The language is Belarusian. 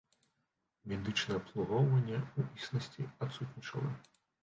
Медычнае абслугоўванне, у існасці, адсутнічала.